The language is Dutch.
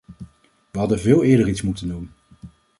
We hadden veel eerder iets moeten doen.